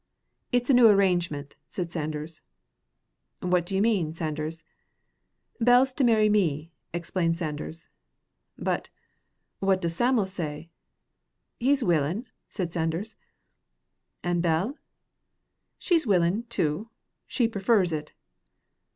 "It's a new arrangement," said Sanders. "What do you mean, Sanders?" "Bell's to marry me," explained Sanders. "But but what does Sam'l say?" "He's willin'," said Sanders. "And Bell?" "She's willin', too. She prefers it."